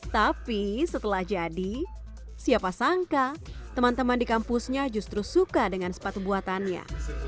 tapi setelah jadi siapa sangka teman teman di kampusnya justru suka dengan sepatu buatannya